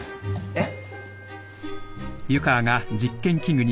えっ？